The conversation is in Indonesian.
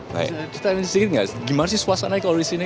boleh ceritain sedikit nggak gimana sih suasana kalau di sini